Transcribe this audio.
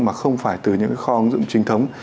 mà không phải từ những kho ứng dụng trinh thống